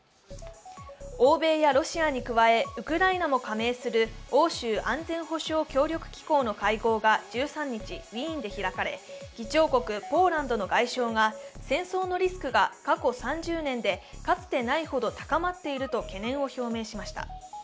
欧米やロシアに加え、ウクライナも加盟する欧州安全保障協力機構の会合が１３日、ウィーンで開かれ議長国ポーランドの外相が戦争のリスクが過去３０年でかつてないほど高まっていると懸念を表明しました。